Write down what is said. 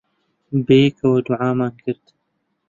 بەیەکەوە دوعامان کرد.